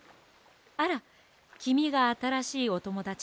あらきみがあたらしいおともだちの。